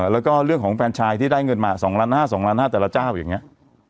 แล้วก็เรื่องของแฟนชายที่ได้เงินมา๒๕๐๐๒ล้านห้าแต่ละเจ้าอย่างนี้